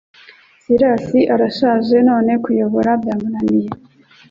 Sirasi arashaje none kuyobora byamunaniye